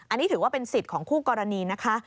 อันนี้ถือว่าเป็นสิทธิ์ของคู่กรณีนะคะ